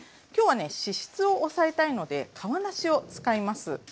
きょうはね脂質を抑えたいので皮なしを使います。